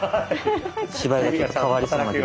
芝居が変わりそうなので。